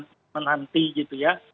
cenderung akan menanti gitu ya